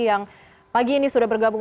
yang pagi ini sudah bergabung